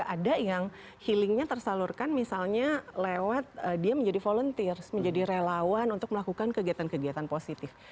ada yang healingnya tersalurkan misalnya lewat dia menjadi volunteers menjadi relawan untuk melakukan kegiatan kegiatan positif